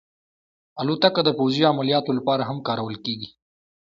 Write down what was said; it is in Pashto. الوتکه د پوځي عملیاتو لپاره هم کارول کېږي.